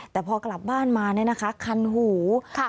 แต่พอกลับบ้านมาเนี่ยนะคะ